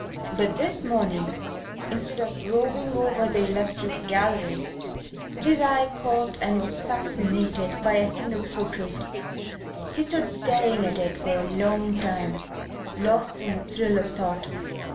But this morning, instead of roving over the illustrious gallery, his eye caught and was fascinated by a single portrait. He stood staring at it for a long time, lost in the thrill of thought.